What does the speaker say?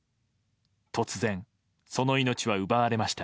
突然、その命は奪われました。